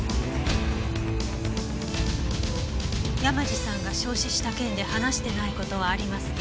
山路さんが焼死した件で話してない事はありますか？